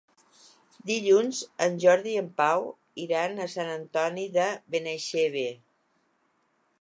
Dilluns en Jordi i en Pau iran a Sant Antoni de Benaixeve.